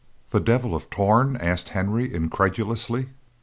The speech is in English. "The Devil of Torn?" asked Henry, incredulously.